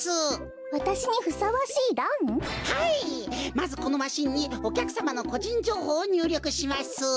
まずこのマシンにおきゃくさまのこじんじょうほうをにゅうりょくします。